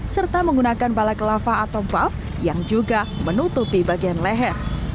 serta menggunakan balai kelapa atau puff yang juga menutupi bagian leher